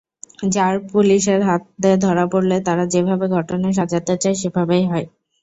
র্যাব-পুলিশের হাতে ধরা পড়লে তারা যেভাবে ঘটনা সাজাতে চায়, সেভাবেই হয়।